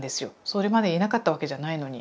それまでいなかったわけじゃないのに。